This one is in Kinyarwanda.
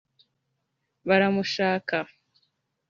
“Baramushaka”